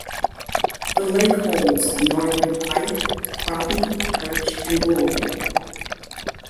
The lake holds Northern Pike, crappie, perch, and Bull Head.